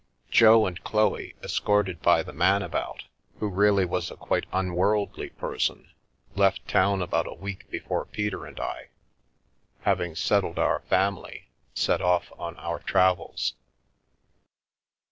Jo and Chloe, escorted by the Man about (who really was a quite unworldly person), left town about a week before Peter and I, having settled our family, set off on our travels.